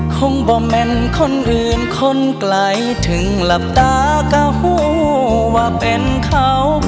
คงบ่แม่นคนอื่นคนไกลถึงหลับตาก็หูว่าเป็นเขา